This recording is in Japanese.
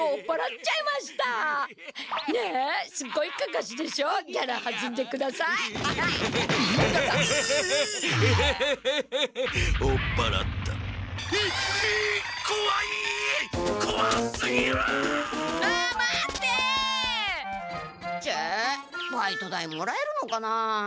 ちぇっバイト代もらえるのかな。